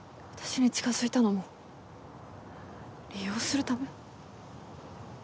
私に近づいたのも利用するため？